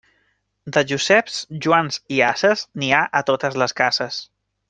De Joseps, Joans i ases, n'hi ha a totes les cases.